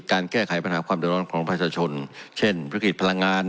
การแก้ไขปัญหาความเดือดร้อนของประชาชนเช่นวิกฤตพลังงาน